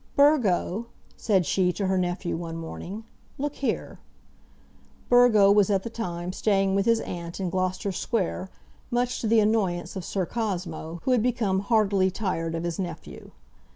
"Burgo," said she to her nephew, one morning, "look here." Burgo was at the time staying with his aunt, in Gloucester Square, much to the annoyance of Sir Cosmo, who had become heartily tired of his nephew.